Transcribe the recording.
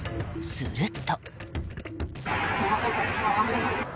すると。